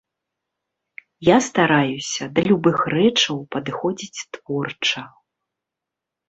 Я стараюся да любых рэчаў падыходзіць творча.